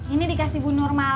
ini dikasih bu nur malam